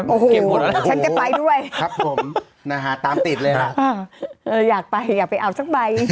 โอ้โหฉันจะไปด้วยครับผมตามติดเลยนะครับอยากไปอยากไปอาบช่องใบ